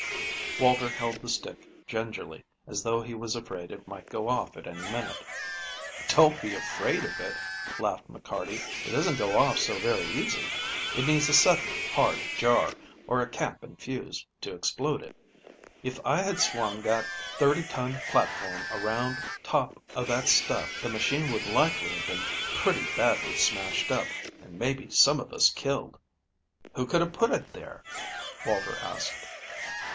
Walter held the stick gingerly, as though he was afraid it might go off at any minute. "Don't be afraid of it," laughed McCarty. "It doesn't go off so very easy. It needs a sudden, hard jar, or a cap and fuse, to explode it. If I had swung that thirty ton platform around on top of that stuff the machine would likely have been pretty badly smashed up, and maybe some of us killed." "Who could have put it there?" Walter asked.